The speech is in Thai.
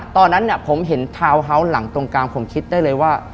ตอนนั้นผมเห็นทาวน์เฮาส์หลังตรงกลางผมคิดได้เลยว่า